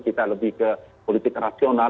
kita lebih ke politik rasional